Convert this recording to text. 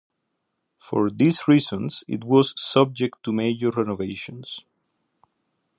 For these reasons it was subject to major renovations.